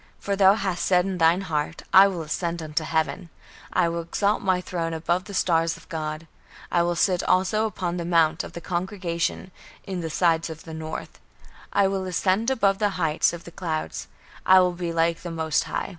For thou hast said in thine heart, I will ascend unto heaven, I will exalt my throne above the stars of God; I will sit also upon the mount of the congregation, in the sides of the north; I will ascend above the heights of the clouds; I will be like the most High."